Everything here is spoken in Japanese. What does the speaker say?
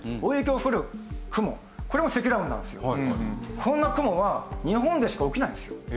こんな雲は日本でしか起きないんですよ。